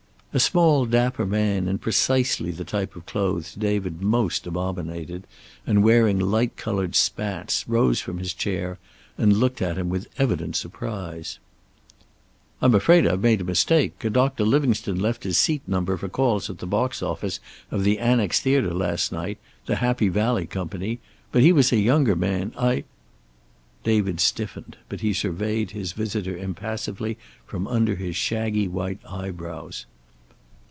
A small, dapper man, in precisely the type of clothes David most abominated, and wearing light colored spats, rose from his chair and looked at him with evident surprise. "I'm afraid I've made a mistake. A Doctor Livingstone left his seat number for calls at the box office of the Annex Theater last night the Happy Valley company but he was a younger man. I " David stiffened, but he surveyed his visitor impassively from under his shaggy white eyebrows.